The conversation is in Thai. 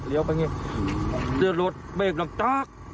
เหลียวไปอย่างนี้เดี๋ยวรถเบรกลงต๊าก